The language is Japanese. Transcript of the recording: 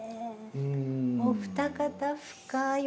お二方深い。